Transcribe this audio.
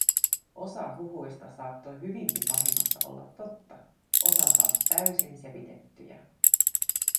Osa huhuista saattoi hyvinkin vahingossa olla totta, osa taas täysin sepitettyjä.